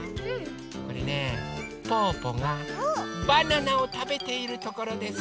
これねぽぅぽがバナナをたべているところです。